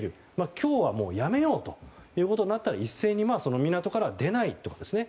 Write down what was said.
今日はもうやめようとなったら一斉に港からは出ないということですね。